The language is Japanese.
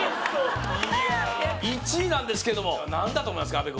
いや１位なんですけども何だと思いますか？